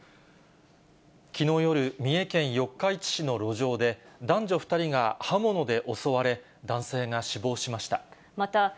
きのう夜、三重県四日市市の路上で、男女２人が刃物で襲われ、男性が死亡しました。